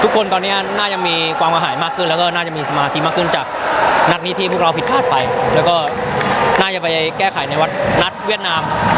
คนตอนนี้น่าจะมีความกระหายมากขึ้นแล้วก็น่าจะมีสมาธิมากขึ้นจากนัดนี้ที่พวกเราผิดพลาดไปแล้วก็น่าจะไปแก้ไขในวัดนัดเวียดนามครับ